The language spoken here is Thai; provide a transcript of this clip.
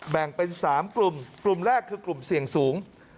แบ่งเป็น๓กลุ่มกลุ่มแรกคือกลุ่มเสี่ยงสูง